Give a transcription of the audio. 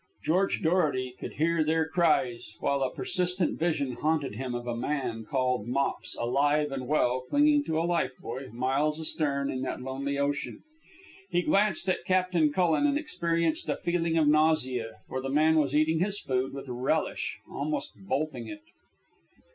George Dorety could hear their cries, while a persistent vision haunted him of a man called Mops, alive and well, clinging to a life buoy miles astern in that lonely ocean. He glanced at Captain Cullen, and experienced a feeling of nausea, for the man was eating his food with relish, almost bolting it.